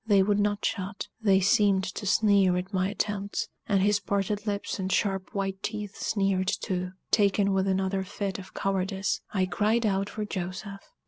They would not shut they seemed to sneer at my attempts, and his parted lips and sharp white teeth sneered too! Taken with another fit of cowardice, I cried out for Joseph.